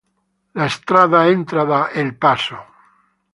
La strada entra da "El Paso".